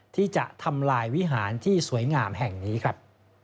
ที่จะทำลายวิหารที่สวยงามแห่งนี้ครับ